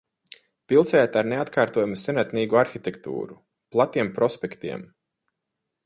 Pilsēta ar neatkārtojamu senatnīgu arhitektūru, platiem prospektiem.